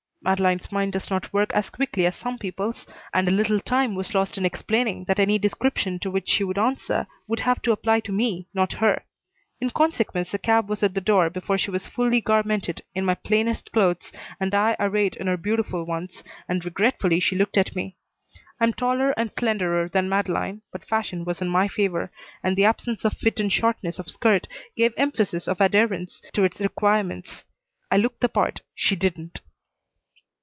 Madeleine's mind does not work as quickly as some people's, and a little time was lost in explaining that any description to which she would answer would have to apply to me, not her. In consequence the cab was at the door before she was fully garmented in my plainest clothes and I arrayed in her beautiful ones, and regretfully she looked at me. I am taller and slenderer than Madeleine, but fashion was in my favor, and the absence of fit and shortness of skirt gave emphasis of adherence to its requirements. I looked the part. She didn't.